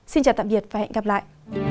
xin chào tạm biệt và hẹn gặp lại